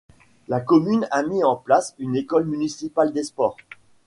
La commune a mis en place une école municipale des sports.